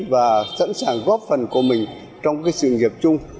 và sẵn sàng góp phần của mình trong cái sự nghiệp chung